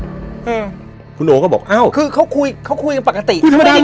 อืมคุณโอก็บอกอ้าวคือเขาคุยเขาคุยกันปกติใช่ไหม